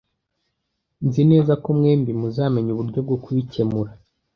Nzi neza ko mwembi muzamenya uburyo bwo kubikemura